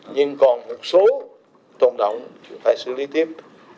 nhưng còn một số tổng đồng phải xử lý tiếp